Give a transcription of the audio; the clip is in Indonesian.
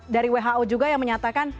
dari who juga yang menyatakan